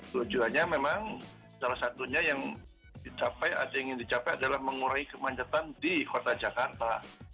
tujuannya memang salah satunya yang ingin dicapai adalah mengurangi kemacetan di kota jakarta